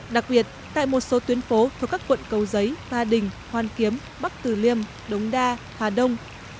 đặc biệt tại một số tuyến phố của các quận cầu giấy ba đình hoan kiếm bắc từ liêm đống đa hà đông